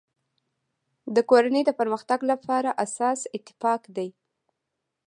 د کورنی د پرمختګ لپاره اساس اتفاق دی.